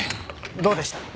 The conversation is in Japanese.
どうでした？